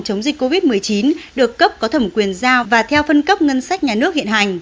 chống dịch covid một mươi chín được cấp có thẩm quyền giao và theo phân cấp ngân sách nhà nước hiện hành